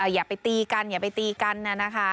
อย่าไปตีกันอย่าไปตีกันนะคะ